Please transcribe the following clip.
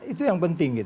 itu yang penting